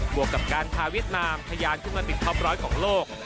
วกกับการพาเวียดนามทะยานขึ้นมาติดท็อปร้อยของโลก